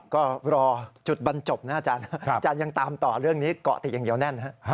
ก็รอจุดบรรจบนะอาจารย์ยังตามต่อเรื่องนี้เกาะติดอย่างเดียวแน่น